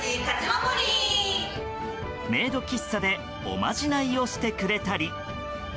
メイド喫茶でおまじないをしてくれたり。